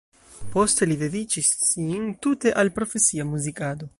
Poste li dediĉis sin tute al profesia muzikado.